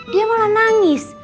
dia malah nangis